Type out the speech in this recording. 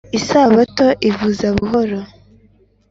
isabato ivuza buhoro